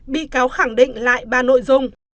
bị cáo khẳng định lại ba nội dung